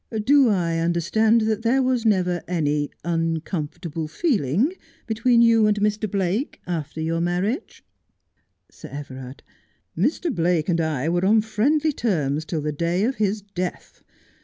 Do I understand that there was never any uncomfortable feeling between you and Mr. Blake after your marriage 1 Sir Everard : Mr. Blake and I were on friendly terms till the day of his death.